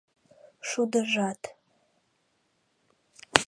Шудыжат